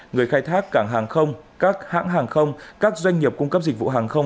người khai thác cảng hàng không các hãng hàng không các doanh nghiệp cung cấp dịch vụ hàng không